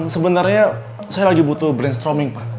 sebenarnya saya lagi butuh brainstroming pak